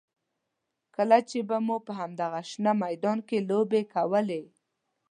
کله چې به مو په همدغه شنه میدان کې لوبې کولې.